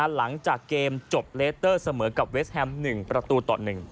หลังจากเกมจบเลสเตอร์เสมอกับเวสแฮม๑ประตูต่อ๑